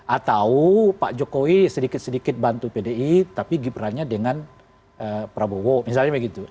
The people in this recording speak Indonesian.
atau pak jokowi sedikit sedikit bantu pdi tapi gibran nya dengan prabowo misalnya begitu